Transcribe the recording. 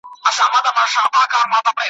زه جلوه د کردګار یم زه قاتله د شیطان یم ,